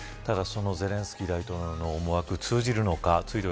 ただ、そのゼレンスキー大統領の思惑は通じるのか。